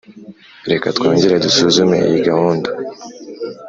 reka twongere dusuzume iyi gahunda.